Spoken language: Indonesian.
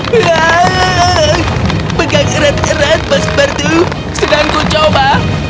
heeeey pegang keras pak patu sedang kucoba